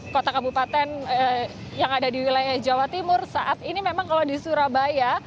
kota kabupaten yang ada di wilayah jawa timur saat ini memang kalau di surabaya